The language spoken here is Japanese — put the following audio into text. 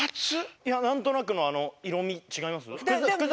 いや何となくのあの色み違います？